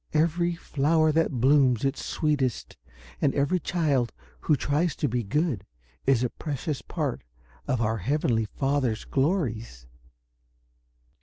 Every flower that blooms its sweetest, and every child who tries to be good, is a precious part of our Heavenly Father's glories."